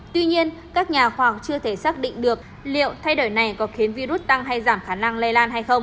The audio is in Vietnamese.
tuy nhiên các nhà khoa học chưa thể xác định được liệu thay đổi này có khiến virus tăng hay giảm khả năng lây lan hay không